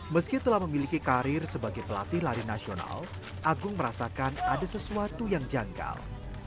meski telah memiliki karir sebagai pelatih lari nasional agung merasakan ada sesuatu yang janggal